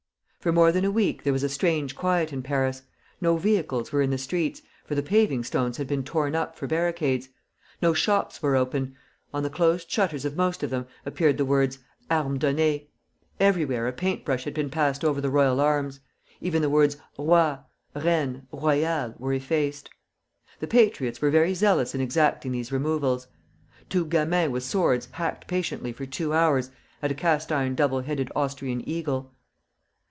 For more than a week there was a strange quiet in Paris: no vehicles were in the streets, for the paving stones had been torn up for barricades; no shops were open; on the closed shutters of most of them appeared the words "Armes données," Everywhere a paintbrush had been passed over the royal arms. Even the words "roi," "reine," "royal," were effaced. The patriots were very zealous in exacting these removals. Two gamins with swords hacked patiently for two hours at a cast iron double headed Austrian eagle.